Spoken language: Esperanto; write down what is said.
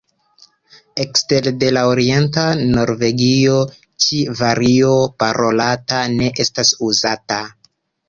Ekstere de la orienta Norvegio ĉi vario parolata ne estas uzata.